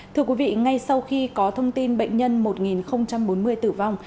thưa quý vị ngay sau khi có thông tin bệnh nhân một nghìn bốn mươi tử vong